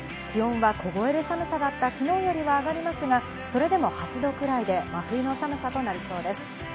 気温は凍える寒さだった昨日よりは上がりますがそれでも８度くらいで、真冬の寒さとなりそうです。